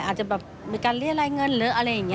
อาจจะแบบมีการเรียกรายเงินหรืออะไรอย่างนี้